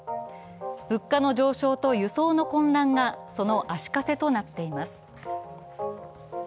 物価の上昇と輸送の混乱が、その足かせとなっています。